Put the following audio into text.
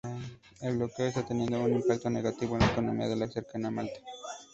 El bloqueo está teniendo un impacto negativo en la economía de la cercana Malta.